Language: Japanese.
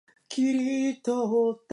作並くん